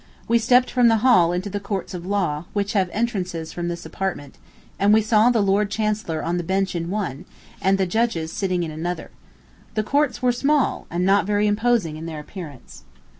We stepped from the hall into the courts of law, which have entrances from this apartment, and we saw the lord chancellor on the bench in one, and the judges sitting in another. The courts were small, and not very imposing in their appearance.